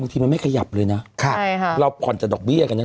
ทีมันไม่ขยับเลยนะใช่ค่ะเราผ่อนแต่ดอกเบี้ยกันเนี่ย